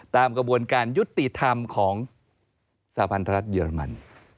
ตามกระบวนการยุติธรรมของสหพันธรัฐเยอรมัน